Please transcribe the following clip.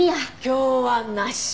今日はなし。